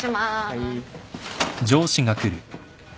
はい。